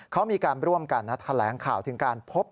เขามีการร่วมกันแถลงข่าวถึงการพบ